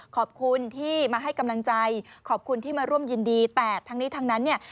ขอบคุณที่มาให้กำลังใจขอบคุณที่มาร่วมยินดีแต่ทั้งนี้ทั้งนั้นเนี่ย